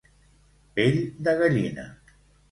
Pell de gallina.